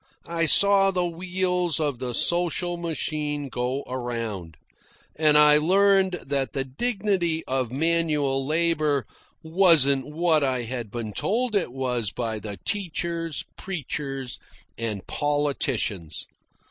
I saw the wheels of the social machine go around, and I learned that the dignity of manual labour wasn't what I had been told it was by the teachers, preachers, and politicians.